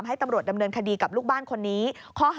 นี่ค่ะคุณผู้ชมพอเราคุยกับเพื่อนบ้านเสร็จแล้วนะน้า